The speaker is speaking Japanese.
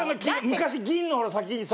昔銀のほら先にさ。